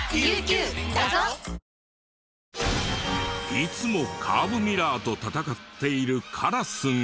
いつもカーブミラーと戦っているカラスが！